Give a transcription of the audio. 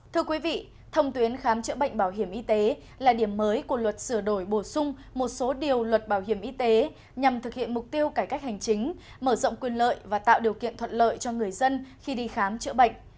thưa quý vị thông tuyến khám chữa bệnh bảo hiểm y tế là điểm mới của luật sửa đổi bổ sung một số điều luật bảo hiểm y tế nhằm thực hiện mục tiêu cải cách hành chính mở rộng quyền lợi và tạo điều kiện thuận lợi cho người dân khi đi khám chữa bệnh